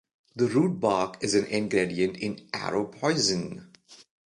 The root bark is an ingredient in arrow poison.